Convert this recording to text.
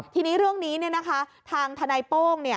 ทีนี้เรื่องนี้ทางทนายโป้ง